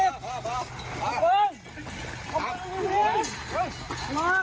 ปลอบ